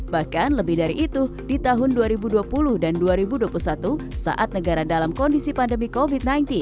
bahkan lebih dari itu di tahun dua ribu dua puluh dan dua ribu dua puluh satu saat negara dalam kondisi pandemi covid sembilan belas